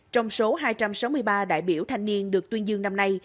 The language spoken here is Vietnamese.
trong số hai trăm sáu mươi ba đại biểu thanh niên được tuyên dương năm nay